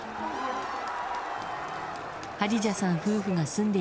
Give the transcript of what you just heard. ハディジャさん夫婦が住んで